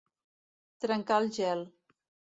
Trencar el gel.